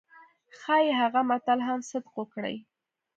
ښايي هغه متل هم صدق وکړي.